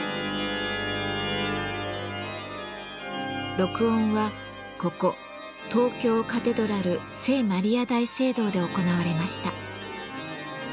録音はここ東京カテドラル聖マリア大聖堂で行われました。